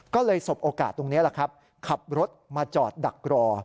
ก็เลยสบโอกาสตรงนี้แหละครับขับรถมาจอดดักรอ